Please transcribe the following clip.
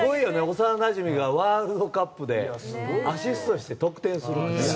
幼なじみがワールドカップでアシストして得点するって。